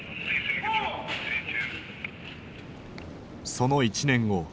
その１年後。